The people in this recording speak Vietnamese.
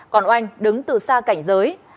còn oanh đứng từ xa cảnh giới